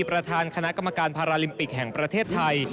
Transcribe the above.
ประธานคณะกรรมการพาราลิมปิกแห่งประเทศไทย